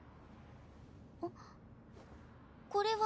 あこれは？